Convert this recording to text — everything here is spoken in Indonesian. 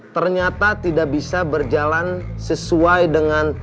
ternyata tidak bisa berjalan sesuai dengan